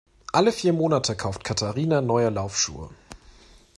Alle vier Monate kauft Katharina neue Laufschuhe.